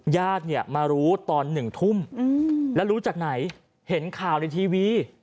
ญาติเนี่ยมารู้ตอน๑ทุ่มแล้วรู้จากไหนเห็นข่าวในทีวี